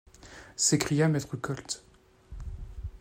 s’écria maître Koltz.